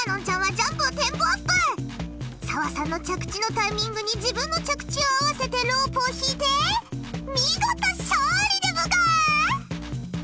澤さんの着地のタイミングに自分の着地を合わせてロープを引いて見事勝利でブカー！